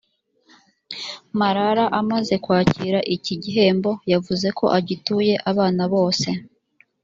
malala amaze kwakira iki gihembo yavuze ko agituye abana bose